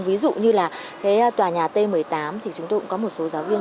ví dụ như là cái tòa nhà t một mươi tám thì chúng tôi cũng có một số giáo viên